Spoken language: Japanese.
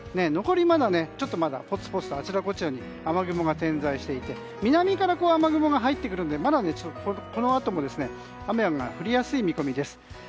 残り、ちょっとまだポツポツあちらこちらに点在していて南から雨雲が入ってくるのでまだこのあとも雨が降りやすい見込みです。